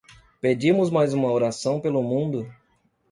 Pedimos mais uma oração pelo mundo